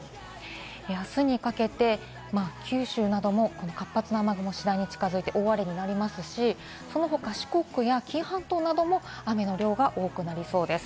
あすにかけて九州なども活発な雨雲が次第に近づいて、大荒れになりますし、その他、四国や紀伊半島なども雨の量が多くなりそうです。